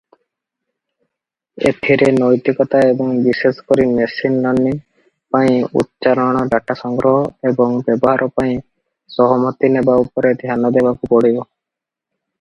ଏଥିରେ ନୈତିକତା ଏବଂ ବିଶେଷକରି ମେସିନ୍ ଲର୍ଣ୍ଣିଂ ପାଇଁ ଉଚ୍ଚାରଣ ଡାଟା ସଂଗ୍ରହ ଏବଂ ବ୍ୟବହାର ପାଇଁ ସହମତି ନେବା ଉପରେ ଧ୍ୟାନ ଦେବାକୁ ପଡ଼ିବ ।